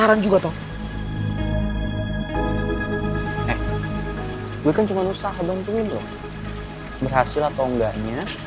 di juga sama gruppa sini